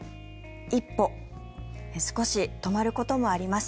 一歩少し止まることもあります。